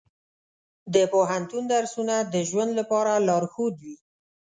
د پوهنتون درسونه د ژوند لپاره لارښود وي.